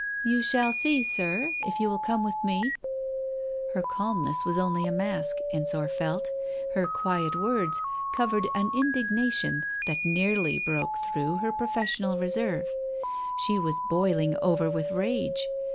..." "You shall see, Sir, if you will come with me." Her calmness was only a mask, Ensor felt; the quiet words covered an indignation that nearly broke through her professional reserve. She was boiling over with rage.